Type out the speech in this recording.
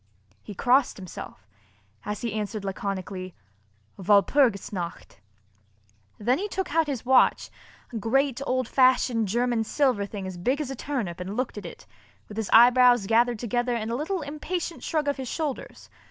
He crossed himself, as he answered laconically: "Walpurgis nacht." Then he took out his watch, a great, old fashioned German silver thing as big as a turnip and looked at it, with his eyebrows gathered together and a little impatient shrug of his shoulders.